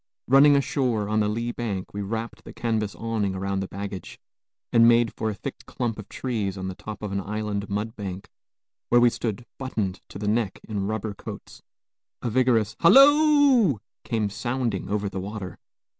Running ashore on the lee bank, we wrapped the canvas awning around the baggage, and made for a thick clump of trees on the top of an island mudbank, where we stood buttoned to the neck in rubber coats. A vigorous "Halloo!" came sounding over the water.